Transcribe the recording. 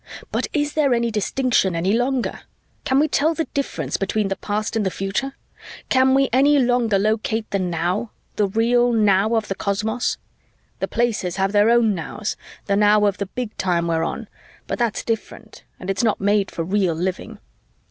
But is there any distinction any longer? Can we tell the difference between the past and the future? Can we any longer locate the now, the real now of the cosmos? The Places have their own nows, the now of the Big Time we're on, but that's different and it's not made for real living.